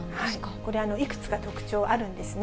これ、いくつか特徴あるんですね。